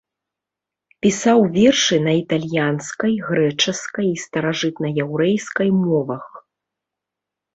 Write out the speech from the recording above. Пісаў вершы на італьянскай, грэчаскай і старажытнаяўрэйскай мовах.